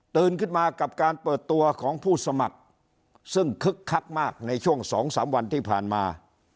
ขึ้นมากับการเปิดตัวของผู้สมัครซึ่งคึกคักมากในช่วง๒๓วันที่ผ่านมา